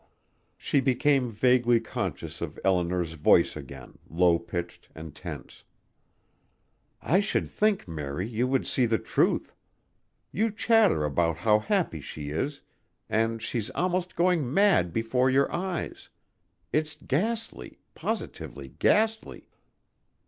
She became vaguely conscious of Eleanor's voice again, low pitched and tense. "I should think, Mary, you would see the truth. You chatter about how happy she is and she's almost going mad before your eyes. It's ghastly positively ghastly."